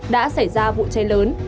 đã xảy ra vụ cháy lớn